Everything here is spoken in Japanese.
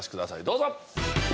どうぞ。